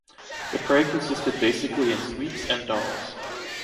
The prey consisted basically in sweets and dolls.